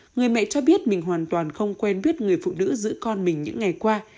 người mẹ cho biết mình hoàn toàn không quen biết người phụ nữ giữ con mình những ngày qua